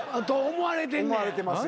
思われてますよ。